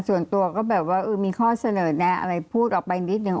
ส่วนตัวก็แบบว่ามีข้อเสนอแนะอะไรพูดออกไปนิดหนึ่ง